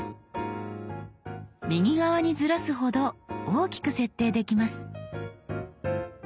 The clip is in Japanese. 右側にずらすほど大きく設定できます。